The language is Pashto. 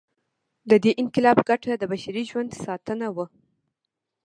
د دې انقلاب ګټه د بشري ژوند ساتنه وه.